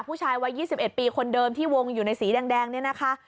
ผู้ชายวัย๒๑ปีคนเดิมที่วงอยู่ในสีแดงเนี่ยนะคะ